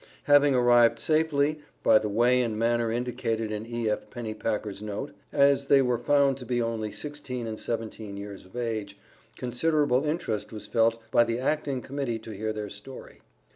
Having arrived safely, by the way and manner indicated in E.F. Pennypacker's note, as they were found to be only sixteen and seventeen years of age, considerable interest was felt by the Acting Committee to hear their story.